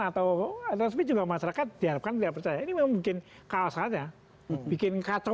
atau ada juga masyarakat diharapkan tidak percaya ini mungkin kalau saja bikin kacau